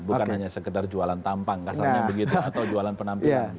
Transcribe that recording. bukan hanya sekedar jualan tampang kasarnya begitu atau jualan penampilan